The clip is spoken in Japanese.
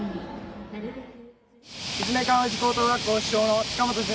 立命館宇治高等学校主将の塚本遵